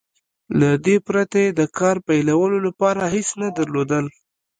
له دې پرته يې د کار پيلولو لپاره هېڅ نه درلودل.